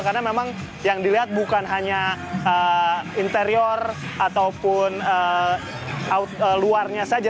karena memang yang dilihat bukan hanya interior ataupun luarnya saja